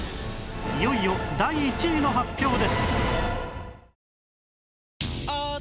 いよいよ第１位の発表です